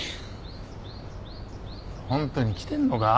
ホントに来てんのか？